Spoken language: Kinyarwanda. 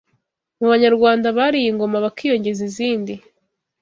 Mu Banyarwanda bariye ingoma bakiyongeza izindi